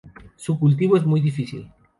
Su cultivo es muy difícil.